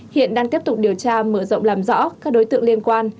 hiện đang tiếp tục điều tra mở rộng làm rõ các đối tượng liên quan